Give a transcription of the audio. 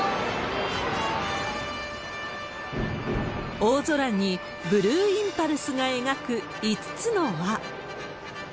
大空にブルーインパルスが描く５つの輪。